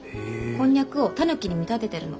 こんにゃくをタヌキに見立ててるの。